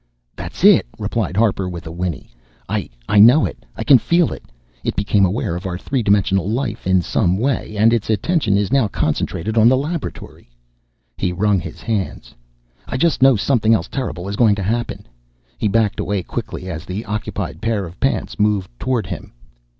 "That's it," replied Harper with a whinny. "I I know it, I can feel it. It became aware of our three dimensional life in some way, and its attention is now concentrated on the laboratory!" He wrung his hands. "I just know something else terrible is going to happen!" He backed away quickly as the occupied pair of pants moved toward him.